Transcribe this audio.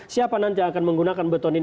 siapa nanti yang akan menggunakan beton ini